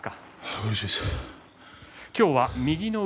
うれしいです。